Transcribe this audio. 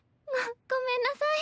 ごごめんなさい。